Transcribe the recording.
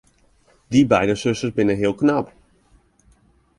Dy beide susters binne heel knap.